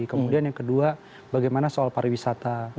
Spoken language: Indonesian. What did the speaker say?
kemudian yang kedua bagaimana soal pariwisata